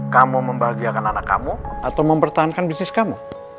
kamu membahagiakan anak kamu atau mempertahankan bisnis kamu